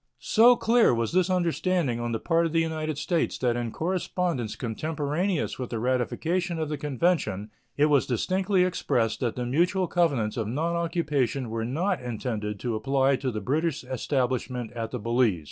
So clear was this understanding on the part of the United States that in correspondence contemporaneous with the ratification of the convention it was distinctly expressed that the mutual covenants of nonoccupation were not intended to apply to the British establishment at the Balize.